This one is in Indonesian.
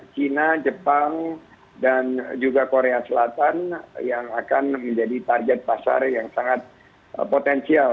china jepang dan juga korea selatan yang akan menjadi target pasar yang sangat potensial